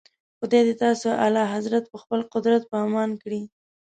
خدای دې تاسي اعلیحضرت په خپل قدرت په امان کړي.